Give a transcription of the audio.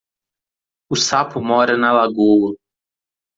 O sapo mora na lagoa.